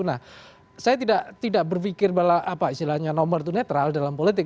nah saya tidak berpikir bahwa apa istilahnya nomor itu netral dalam politik